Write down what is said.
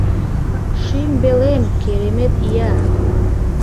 Шӱмбелем, керемет ия!